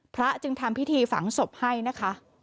จึงทำพิธีฝังศพให้นะคะ